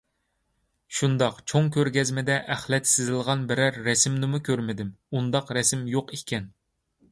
- شۇنداق چوڭ كۆرگەزمىدە ئەخلەت سىزىلغان بىرەر رەسىمنىمۇ كۆرمىدىم، ئۇنداق رەسىم يوق ئىكەن.